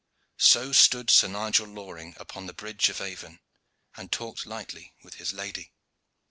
So stood Sir Nigel Loring upon the bridge of Avon, and talked lightly with his lady.